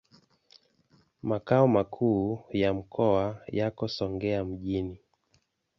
Makao makuu ya mkoa yako Songea mjini.